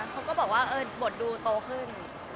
เขาก็บอกว่าบทดูโตขึ้น